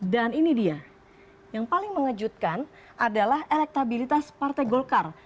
dan ini dia yang paling mengejutkan adalah elektabilitas partai golkar